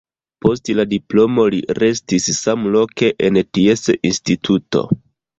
Post la diplomo li restis samloke en ties instituto.